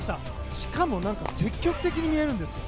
しかも積極的に見えるんですよね。